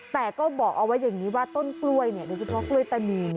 แต่ก็บอกเอาไว้อย่างนี้ว่าต้นกล้วยโดยเฉพาะกล้วยตานี